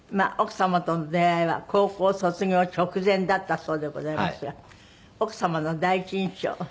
奥様との出会いは高校卒業直前だったそうでございますが奥様の第一印象。